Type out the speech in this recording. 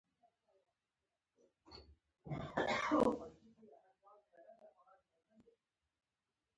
مصنوعي ځیرکتیا د پوهې ماهیت بدلوي.